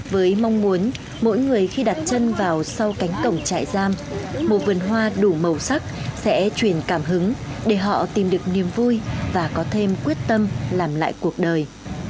với mong muốn mỗi người khi đặt chân vào sau cánh cổng trại giam một vườn hoa đủ màu sắc sẽ truyền cảm hứng để họ tìm được niềm vui và có thêm quyết tâm làm lại cuộc đời